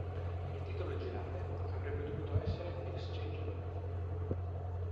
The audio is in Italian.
Il titolo originale avrebbe dovuto essere "Exchange Love".